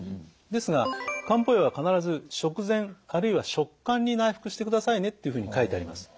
ですが漢方薬は必ず食前あるいは食間に内服してくださいねっていうふうに書いてあります。